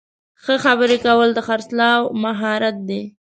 ښه خبرې کول د خرڅلاو مهارت دی.